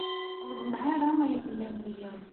Ur ḍemmeɛ ara ayen ay lan wiyaḍ.